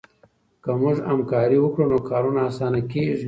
که موږ همکاري وکړو نو کارونه اسانه کېږي.